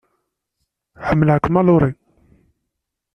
Ḥemmleɣ-kem a Laurie.